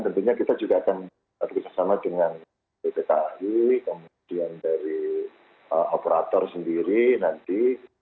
tentunya kita juga akan bekerjasama dengan pt kai kemudian dari operator sendiri nanti